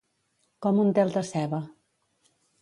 Com un tel de ceba.